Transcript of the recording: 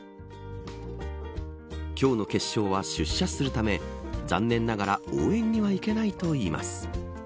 今日の決勝は出社するため残念ながら応援には行けないといいます。